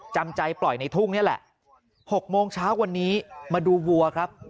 จำใจปล่อยในทุ่งนี่แหละ๖โมงเช้าวันนี้มาดูวัวครับ